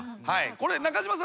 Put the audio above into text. これ中島さん